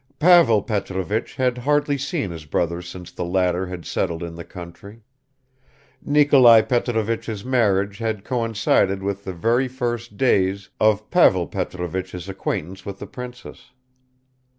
Pavel Petrovich had hardly seen his brother since the latter had settled in the country; Nikolai Petrovich's marriage had coincided with the very first days of Pavel Petrovich's acquaintance with the princess.